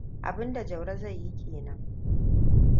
Abinda Jauro zai yi kenan.